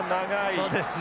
そうですね。